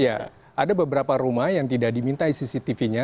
ya ada beberapa rumah yang tidak dimintai cctv nya